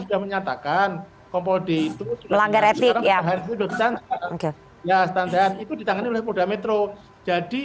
sudah menyatakan kompo d itu pelanggar etik ya ya standar itu ditangani oleh polda metro jadi